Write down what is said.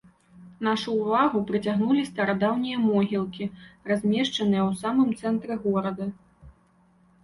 Нашу ўвагу прыцягнулі старадаўнія могілкі, размешчаныя ў самым цэнтры горада.